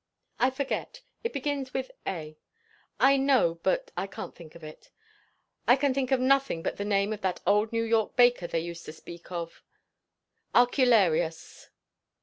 "I forget It begins with 'A.' I know; but I can't think of it. I can think of nothing but the name of that old New York baker they used to speak of Arcularius."